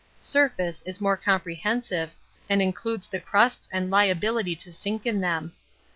'Surface' is more comprehensive, and includes the crusts and liability to sink in them.